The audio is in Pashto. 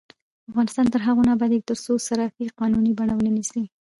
افغانستان تر هغو نه ابادیږي، ترڅو صرافي قانوني بڼه ونه نیسي.